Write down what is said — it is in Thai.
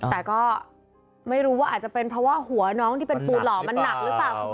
แต่ก็ไม่รู้ว่าอาจจะเป็นเพราะว่าหัวน้องที่เป็นปูหล่อมันหนักหรือเปล่า